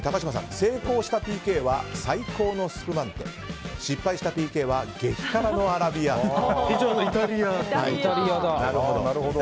成功したＰＫは最高のスプマンテ失敗したＰＫは激辛のアラビアータ。